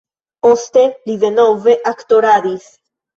Poste li denove aktoradis.